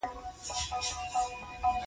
د شاه زمان لوی وزیر وفادار خان یادونه کړې.